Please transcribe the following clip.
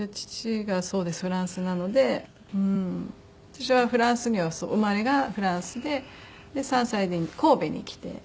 私はフランスには生まれがフランスで３歳で神戸に来て。